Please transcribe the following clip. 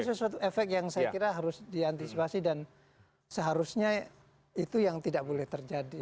itu sesuatu efek yang saya kira harus diantisipasi dan seharusnya itu yang tidak boleh terjadi